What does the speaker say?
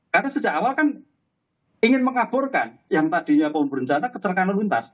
karena sejak awal kan ingin mengaburkan yang tadinya pembunuh rencana kecerakan luntas